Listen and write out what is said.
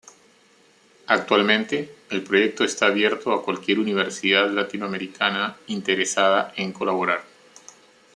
Actualmente, el proyecto está abierto a cualquier universidad latinoamericana interesada en colaborar.